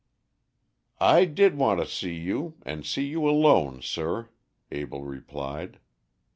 "I did want to see you and see you alone, sir," Abell replied.